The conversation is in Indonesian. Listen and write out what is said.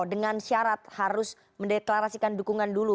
dengan syarat harus mendeklarasikan dukungan dulu